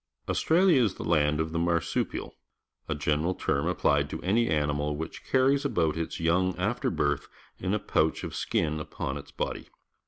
AustraUa is the land of the marsupial — a general term appUed to any animal ^^■hich carries about its young after birtli hi a pouch of sldn upon its body..